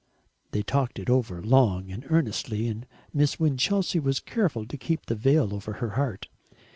They talked it over long and earnestly, and Miss Winchelsea was careful to keep the veil over her heart.